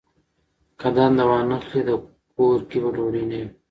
که دنده وانخلي، کور کې به ډوډۍ نه وي.